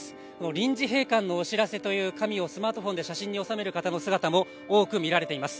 臨時閉館のお知らせという紙をスマートフォンで写真に収める方の姿も多く見られています。